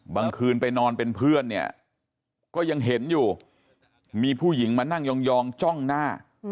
คืนไปนอนเป็นเพื่อนเนี่ยก็ยังเห็นอยู่มีผู้หญิงมานั่งยองจ้องหน้า